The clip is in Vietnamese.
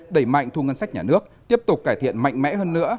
đẩy mạnh thu ngân sách nhà nước tiếp tục cải thiện mạnh mẽ hơn nữa